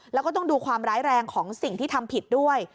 แล้วก็ต้องดูความร้ายแรงของสิ่งที่ทำผิดด้วย